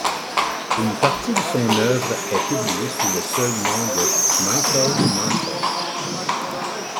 Une partie de son œuvre est publiée sous le seul nom de Michael Marshall.